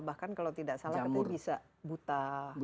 bahkan kalau tidak salah katanya bisa buta